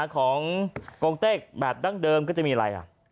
ของโกงเต็กแบบดั้งเดิมก็จะมีอะไร